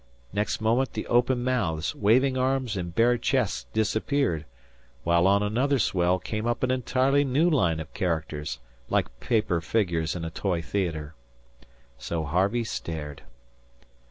Next moment the open mouths, waving arms, and bare chests disappeared, while on another swell came up an entirely new line of characters like paper figures in a toy theatre. So Harvey stared.